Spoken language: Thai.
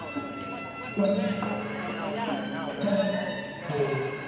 อร่อยบิ๊มก็คิดว่าเข้ามันไปแล้ว